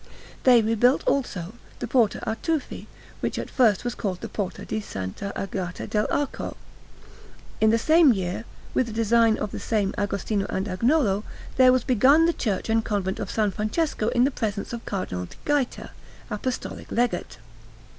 They rebuilt, also, the Porta a Tufi, which at first was called Porta di S. Agata all'Arco. In the same year, with the design of the same Agostino and Agnolo, there was begun the Church and Convent of S. Francesco in the presence of Cardinal di Gaeta, Apostolic Legate.